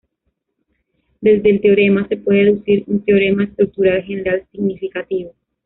Desde el teorema, se puede deducir un Teorema Estructural General significativo.